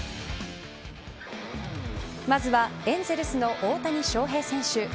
まずはエンゼルスの大谷翔平選手。